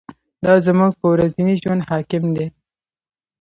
دا زموږ په ورځني ژوند حاکم دی.